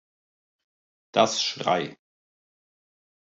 Das "Schrei!